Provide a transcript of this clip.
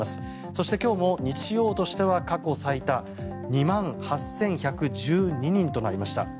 そして、今日も日曜としては過去最多２万８１１２人となりました。